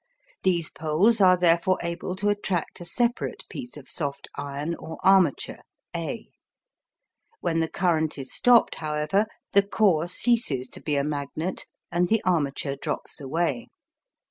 These poles are therefore able to attract a separate piece of soft iron or armature A. When the current is stopped, however, the core ceases to be a magnet and the armature drops away.